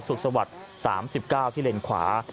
สุขสวัสดิ์๓๙ที่เลนขวา